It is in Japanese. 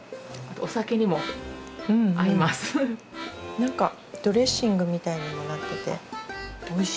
何かドレッシングみたいにもなってておいしい。